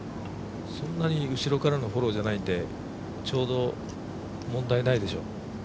そんなに後ろからのフォローじゃないんでちょうど、問題はないでしょう。